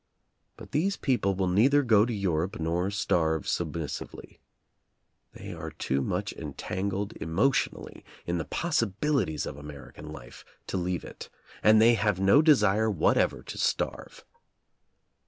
But these people will neither go to Europe, nor starve submissively. They are too much entangled emotionally in the possibilities of American life to leave it, and they have no desire whatever to starve.